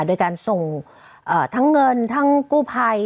โดยการส่งทั้งเงินทั้งกู้ภัย